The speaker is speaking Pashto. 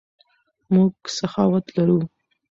موږ سخاوت لرو.